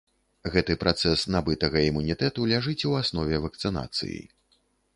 Гэты працэс набытага імунітэту ляжыць у аснове вакцынацыі.